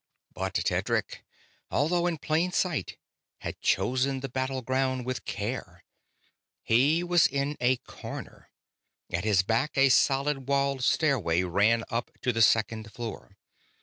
But Tedric, although in plain sight, had chosen the battleground with care. He was in a corner. At his back a solid walled stairway ran up to the second floor.